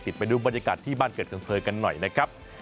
ไปดูบรรยากาศที่บ้านเกิดของเธอกันหน่อยนะครับ